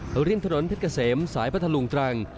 พรวิงถนนเผ็ดเกษมสายพพรหลวงจรัง